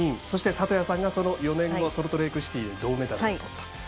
そして、里谷さんがその４年後ソルトレークシティーで銅メダルをとった。